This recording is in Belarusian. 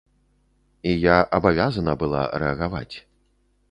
І я абавязана была рэагаваць.